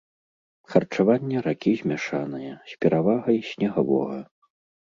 Харчаванне ракі змяшанае, з перавагай снегавога.